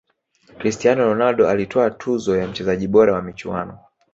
cristiano ronaldo alitwaa tuzo ya mchezaji bora wa michuano